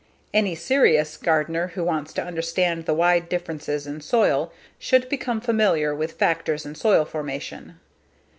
Any serious gardener who wants to understand the wide differences in soil should become familiar with _Factors in Soil Formation.